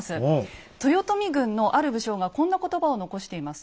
豊臣軍のある武将がこんな言葉を残しています。